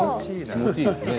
気持ちいいですね